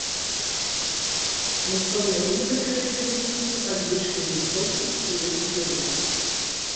Мусонны клімат характарызуецца падвышанай вільготнасцю ў летні перыяд.